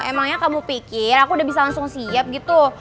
emangnya kamu pikir aku udah bisa langsung siap gitu